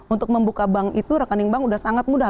untuk membuka bank itu rekening bank sudah sangat mudah